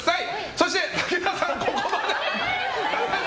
そして武田さん、ここまで。